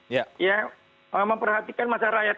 ya memperhatikan masyarakat